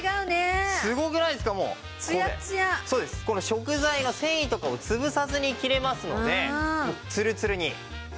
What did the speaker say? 食材の繊維とかを潰さずに切れますのでツルツルに！